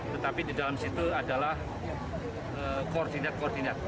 tetapi di dalam situ adalah koordinat koordinat